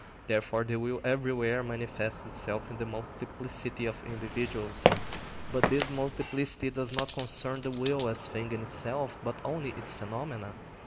Therefore the will everywhere manifests itself in the multiplicity of individuals. But this multiplicity does not concern the will as thing in itself, but only its phenomena.